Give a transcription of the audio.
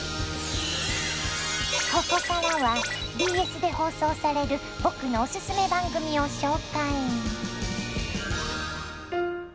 ここからはＢＳで放送される僕のオススメ番組を紹介。